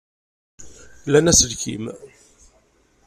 Lan aselkim?